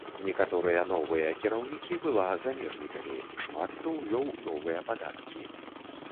Некаторыя новыя кіраўнікі была замежнікамі, шмат хто ўвёў новыя падаткі.